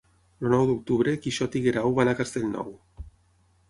El nou d'octubre en Quixot i en Guerau van a Castellnou.